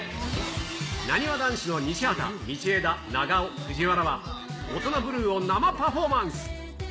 なにわ男子の西畑、道枝、長尾、藤原は、オトナブルーを生パフォーマンス。